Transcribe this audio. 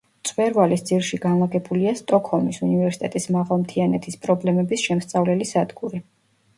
მწვერვალის ძირში განლაგებულია სტოკჰოლმის უნივერსიტეტის მაღალმთიანეთის პრობლემების შემსწავლელი სადგური.